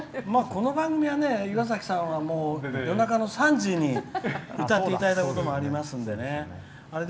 この番組は岩崎さんは夜中の３時に歌っていただいたこともありますしね。